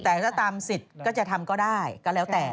แต่ถ้าตามสิทธิ์ก็จะทำก็ได้ก็แล้วแต่